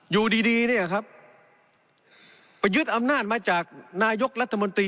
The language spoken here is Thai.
อยู่ดีดีเนี่ยครับไปยึดอำนาจมาจากนายกรัฐมนตรี